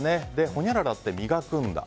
ほにゃららって磨くんだ。